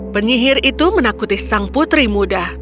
penyihir itu menakuti sang putri muda